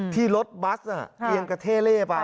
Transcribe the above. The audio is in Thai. ที่รถบัสเกี่ยวกับเทเลป่า